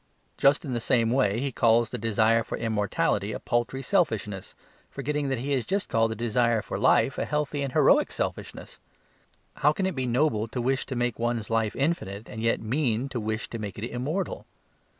Just in the same way he calls the desire for immortality a paltry selfishness, forgetting that he has just called the desire for life a healthy and heroic selfishness. How can it be noble to wish to make one's life infinite and yet mean to wish to make it immortal?